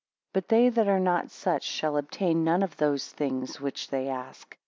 5 But they that are not such, shall obtain none of those things which they ask.